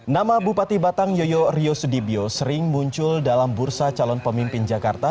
nama bupati batang yoyo ryo sudibyo sering muncul dalam bursa calon pemimpin jakarta